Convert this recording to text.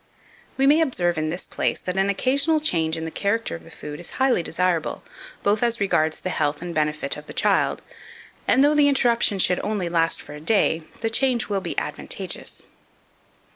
2501. We may observe in this place, that an occasional change in the character of the food is highly desirable, both as regards the health and benefit of the child; and though the interruption should only last for a day, the change will be advantageous.